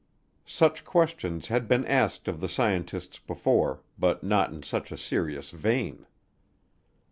Such questions had been asked of the scientists before, but not in such a serious vein.